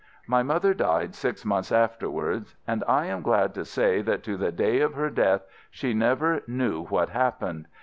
My mother died six months afterwards, and I am glad to say that to the day of her death she never knew what happened.